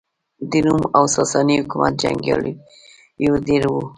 د روم او ساسا ني حکومت جنګیالېیو ډېر وو.